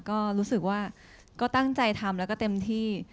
ก็รู้สึกว่าก็ตั้งใจทำแล้วก็เต็มที่